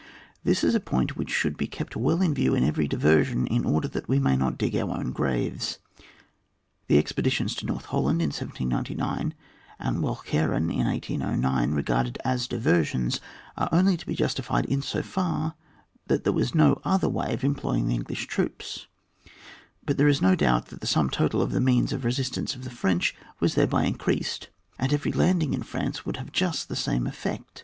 This is a point which shoidd be kept well in view in eveiy diversion, in order that we may not dig our own graves. The expeditions to North Holland in 1 799, and to Walcheren in 1 809, regarded as diversions, are only to be justified in so far that there was no other way of employing the English troops ; but there is no doubt that the sum total of the means of resistance of the French was thereby increased, and every landing in France, would have just the same effect.